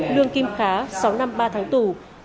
lương kim khá sáu năm ba tháng tù